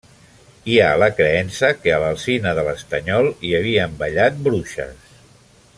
Hi ha la creença que a l'Alzina de l'Estanyol hi havien ballat bruixes.